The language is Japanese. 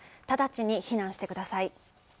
直ちに避難してください。